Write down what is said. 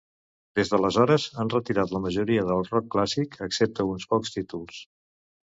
Des d'aleshores han retirat la majoria del rock clàssic, excepte uns pocs títols.